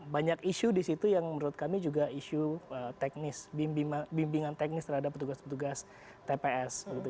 banyak isu di situ yang menurut kami juga isu teknis bimbingan teknis terhadap petugas petugas tps